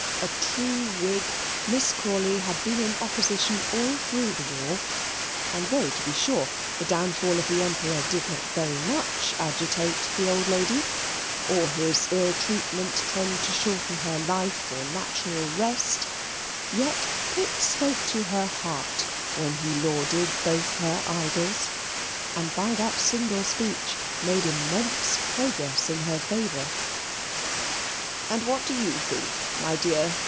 A true Whig, Miss Crawley had been in opposition all through the war, and though, to be sure, the downfall of the Emperor did not very much agitate the old lady, or his ill treatment tend to shorten her life or natural rest, yet Pitt spoke to her heart when he lauded both her idols; and by that single speech made immense progress in her favour. "And what do you think, my dear?"